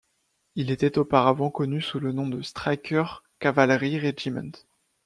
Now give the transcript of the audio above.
Il était auparavant connu sous le nom de Stryker Cavalry Regiment.